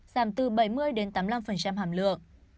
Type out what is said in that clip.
giảm từ bảy mươi tám mươi năm hàm lượng